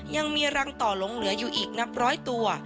ยังมีรังต่อหลงเหลืออยู่อีกนับร้อยตัว